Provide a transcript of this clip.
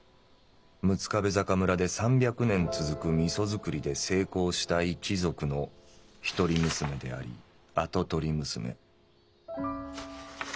六壁坂村で３００年続く味噌づくりで成功した一族のひとり娘であり跡取り娘」。